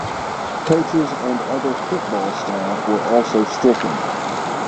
Coaches and other football staff were also stricken.